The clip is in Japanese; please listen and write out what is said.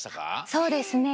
そうですね。